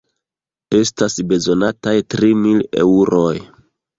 Estas bezonataj tri mil eŭroj.